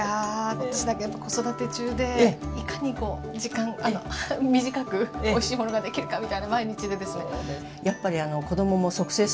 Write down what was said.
私なんか子育て中でいかにこう時間短くおいしいものができるかみたいな毎日でですね。